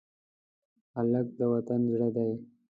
هلک د وطن زړه دی.